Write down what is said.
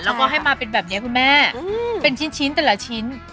แล้วก็ให้มาเป็นแบบนี้คุณแม่เป็นชิ้นแต่ละชิ้น